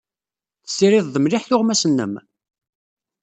Tessirided mliḥ tuɣmas-nnem?